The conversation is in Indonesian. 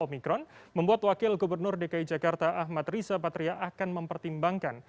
omikron membuat wakil gubernur dki jakarta ahmad riza patria akan mempertimbangkan